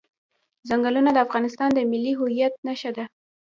ځنګلونه د افغانستان د ملي هویت نښه ده.